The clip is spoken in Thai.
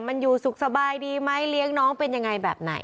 มันอยู่สุขสบายดีไหมเลี้ยงน้องเป็นยังไงแบบไหน